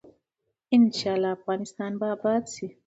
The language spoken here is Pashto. ان شاء الله افغانستان به اباد شي.